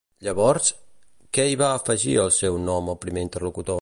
Llavors, què hi va afegir al seu nom el primer interlocutor?